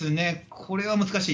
これは難しい。